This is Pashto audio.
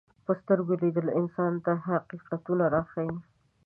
په سترګو لیدل انسان ته حقیقتونه راښيي